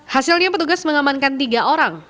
hasilnya petugas mengamankan tiga orang